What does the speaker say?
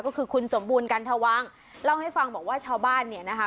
ก็คือคุณสมบูรณ์กันทวังเล่าให้ฟังบอกว่าชาวบ้านเนี่ยนะคะ